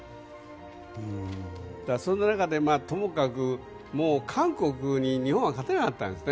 そんな中でともかく韓国に日本は勝てなかったんです。